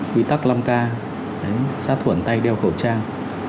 quy tắc năm k sát khuẩn tay đeo khẩu trang